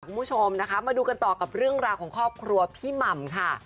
คุณผู้ชมนะคะมาดูกันต่อกับเรื่องราวของครอบครัวพี่หม่ำค่ะ